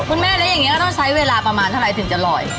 คุณแม่แล้วอย่างนี้เราต้องใช้เวลาประมาณเท่าไหร่ถึงจะลอย